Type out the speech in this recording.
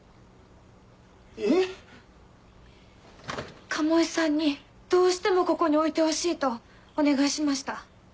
えっ⁉鴨居さんにどうしてもここに置いてほしいとお願いしました。